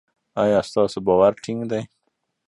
ایا ستاسو باور ټینګ دی؟